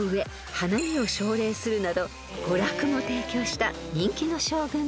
花見を奨励するなど娯楽も提供した人気の将軍でもありました］